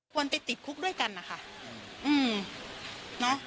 ควรไปติดคุกด้วยกันนะคะอืมเนาะ